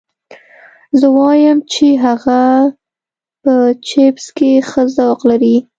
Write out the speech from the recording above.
زه وایم چې هغه په چپس کې ښه ذوق لري